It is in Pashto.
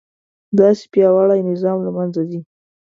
داسې پیاوړی نظام له منځه ځي.